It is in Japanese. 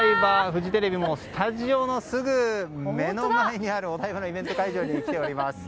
フジテレビのスタジオのすぐ目の前にあるお台場のイベント会場に来ています。